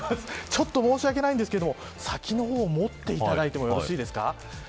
ちょっと申しわけないんですが先の方を持っていただいてもよろしいですか。